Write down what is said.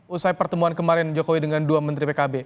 usai pertemuan kemarin jokowi dengan dua menteri pkb